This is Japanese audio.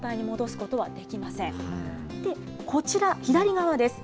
こちら、左側です。